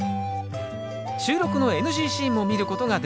収録のＮＧシーンも見ることができますよ。